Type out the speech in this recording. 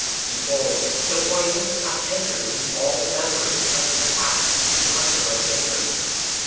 Behold, the poison hath entered into all the members of this Cat which is under my fingers.